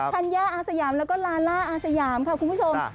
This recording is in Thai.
ธัญญาอาสยามแล้วก็ลาล่าอาสยามค่ะคุณผู้ชม